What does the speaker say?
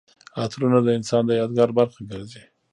عطرونه د انسان د یادګار برخه ګرځي.